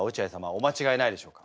お間違えないでしょうか？